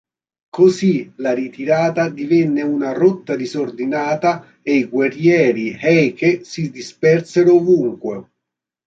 Così la ritirata divenne una rotta disordinata e i guerrieri Heike si dispersero ovunque.